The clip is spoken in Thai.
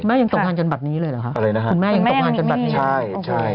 แม่ยังตกพันจนแบบนี้เลยเหรอคะคุณแม่ยังตกพันจนแบบนี้